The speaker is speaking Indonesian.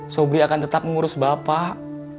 sobri akan tetap mengurus bapak